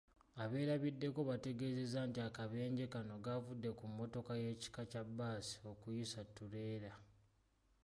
Abeerabiddeko bategeezezza nti akabenje kano kavudde ku mmotoka y'ekika kya bbaasi okuyisa ttuleera.